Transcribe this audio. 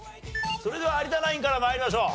それでは有田ナインから参りましょう。